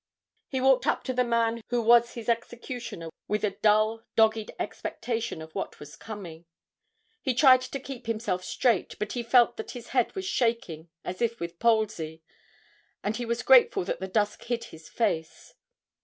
He walked up to the man who was his executioner with a dull, dogged expectation of what was coming. He tried to keep himself straight, but he felt that his head was shaking as if with palsy, and he was grateful that the dusk hid his face.